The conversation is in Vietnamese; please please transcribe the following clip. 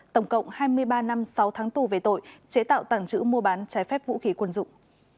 tổng cộng hai mươi ba năm sáu tháng tù về tội chế tạo tàng trữ mua bán trái phép vũ khí quân dụng